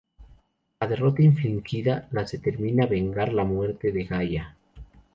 La derrota infligida las determina vengar la muerte de Gaia.